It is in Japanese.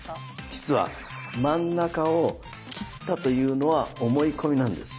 実は真ん中を切ったというのは思い込みなんです。